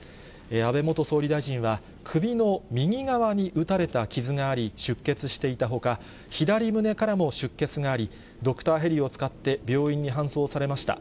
安倍元総理大臣は、首の右側に撃たれた傷があり、出血していたほか、左胸からも出血があり、ドクターヘリを使って、病院に搬送されました。